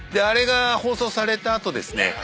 あれが放送された後ですね